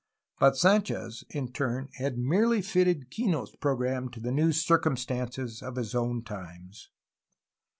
But Sanchez, in turn, had merely fitted Kino's program to the new circumstances of his own times.